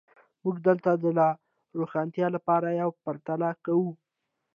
موږ دلته د لا روښانتیا لپاره یوه پرتله کوو.